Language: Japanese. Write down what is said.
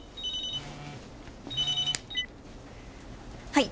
はい。